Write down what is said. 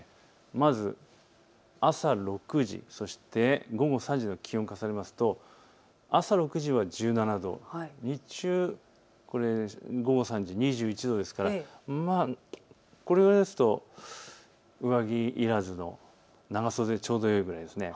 まず朝６時、そして午後３時の気温を重ねますと、朝６時は１７度、日中、午後３時、２１度ですからこれくらいですと上着いらずの長袖でちょうどよいぐらいですね。